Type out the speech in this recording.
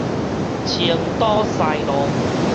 青島西路